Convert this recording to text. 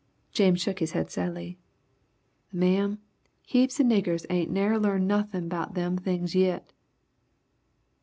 James shook his head sadly. "Ma'am, heaps of niggers ain't never larned nothin' 'bout them things yit!